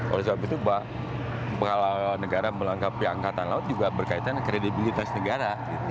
oleh sebab itu bahwa negara melangkapi angkatan laut juga berkaitan kredibilitas negara gitu